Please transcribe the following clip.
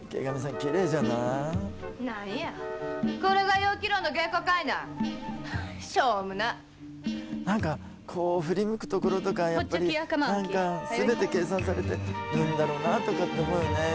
きれいじゃない何やこれが陽暉楼の芸妓かいなしょうもな何かこう振り向くところとかやっぱり何か全て計算されてるんだろうなとかって思うよね